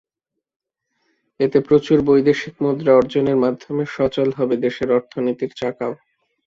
এতে প্রচুর বৈদেশিক মুদ্রা অর্জনের মাধ্যমে সচল হবে দেশের অর্থনীতির চাকাও।